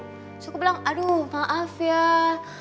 trus aku bilang aduh maaf yah